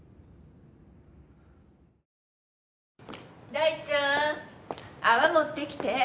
大ちゃん泡持ってきて。